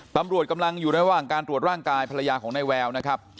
ตำรวจกำลังอยู่ระหว่างการตรวจร่างกายภรรยาของนายแววนะครับ